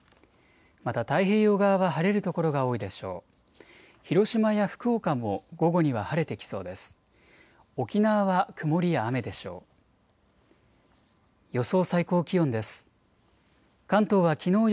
また太平洋側は晴れる所が多いでしょう。